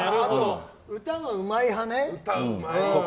歌がうまい派ね。